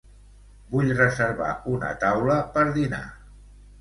Vull reservar una taula per dinar.